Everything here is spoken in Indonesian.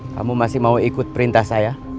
kamu masih mau ikut perintah saya